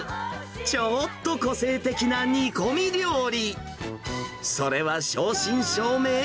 ちょっと個性的な煮込み料理。